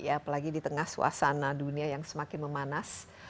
apalagi di tengah suasana dunia yang semakin memanas